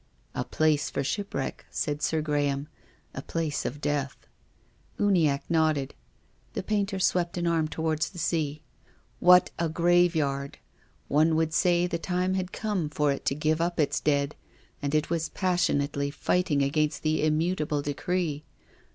" A place for shipwreck," said Sir Graham. " A place of death." Uniacke nodded. The painter swept an arm towards the sea. " What a graveyard ! One would say the time had come for it to give up its dead and it was passionately fighting against the immutable de cree.